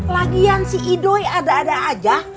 lagian si idoi ada ada aja